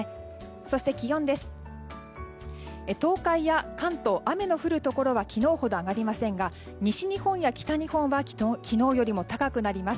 そして気温は東海や関東雨の降るところは昨日ほど上がりませんが西日本や北日本は昨日よりも高くなります。